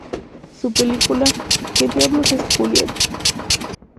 Su película "¿Quien diablos es Juliette?